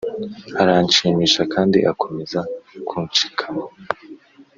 aranshimisha kandi akomeza kunshikama